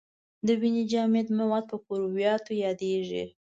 د وینې جامد مواد په کرویاتو یادیږي.